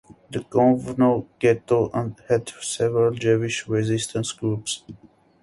The Kovno ghetto had several Jewish resistance groups.